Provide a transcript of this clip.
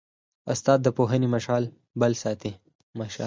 استاد د پوهنې مشعل بل ساتي.